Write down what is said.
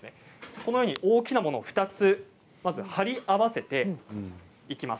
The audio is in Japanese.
このように大きなものを２つまず貼り合わせていきます。